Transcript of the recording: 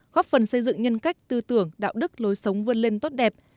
góp phần xây dựng nhân cách tư tưởng đạo đức lối sống vươn lên tốt đẹp